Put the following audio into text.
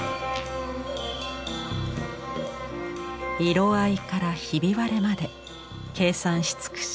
色合いからひび割れまで計算し尽くし